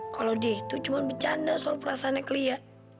kalau dia itu cuma bercanda soal perasaannya ke lia